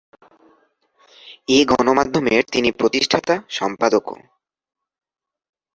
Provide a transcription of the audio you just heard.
এ গণমাধ্যমের তিনি প্রতিষ্ঠাতা সম্পাদকও।